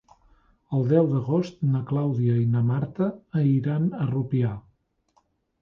El deu d'agost na Clàudia i na Marta iran a Rupià.